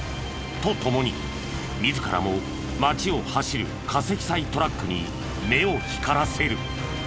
とともに自らも街を走る過積載トラックに目を光らせる。